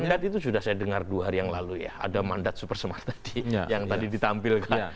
mandat itu sudah saya dengar dua hari yang lalu ya ada mandat supersemar tadi yang tadi ditampilkan